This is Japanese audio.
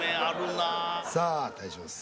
さあ対します